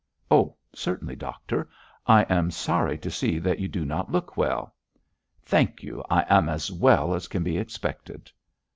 'Oh, certainly, doctor. I am sorry to see that you do not look well.' 'Thank you; I am as well as can be expected.'